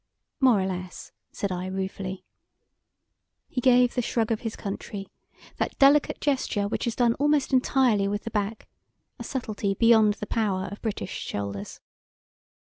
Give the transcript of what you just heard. "More or less," said I ruefully. He gave the shrug of his country that delicate gesture which is done almost entirely with the back a subtlety beyond the power of British shoulders.